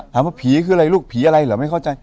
ถามว่าผีคืออะไรลูกผีอะไรเหรอไม่เข้าใจ